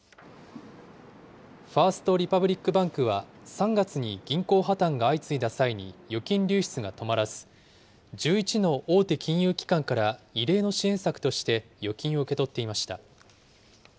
ファースト・リパブリック・バンクは、３月に銀行破綻が相次いだ際に預金流出が止まらず、１１の大手金融機関から異例の支援策として預金を受け取っていました。